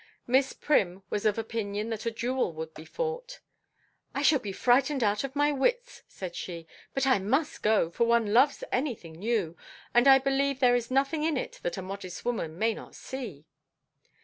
Miss Prim was of opinion that a duel would be fought. "I shall be frightened out of my wits," said she. "But I must go, for one loves any thing new, and I believe there is nothing in it that a modest woman may not see."